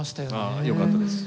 ああよかったです。